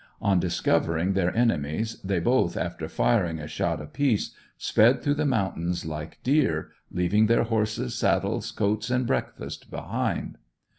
On discovering their enemies they both, after firing a shot apiece, sped through the mountains like deer, leaving their horses, saddles, coats and breakfast behind.